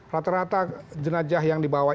rata rata jelajah yang dibawa